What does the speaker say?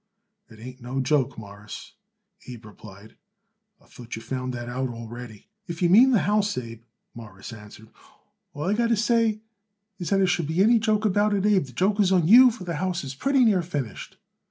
"It ain't no joke, Mawruss," Abe replied. "I thought you found that out already." "If you mean the house, Abe," Morris answered, "all I got to say is that, if there should be any joke about it, Abe, the joke is on you, for that house is pretty near finished."